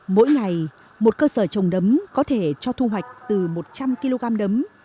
mỗi ngày một cơ sở trồng nấm có thể cho thu hoạch từ một trăm linh kg nấm